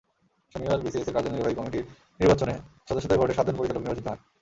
শনিবার বিসিএসের কার্যনির্বাহী কমিটির নির্বাচনে সদস্যদের ভোটে সাতজন পরিচালক নির্বাচিত হন।